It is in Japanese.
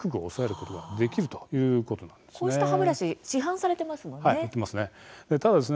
こうした歯ブラシ市販されていますよね。